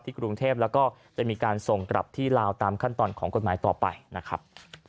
กรุงเทพแล้วก็จะมีการส่งกลับที่ลาวตามขั้นตอนของกฎหมายต่อไปนะครับ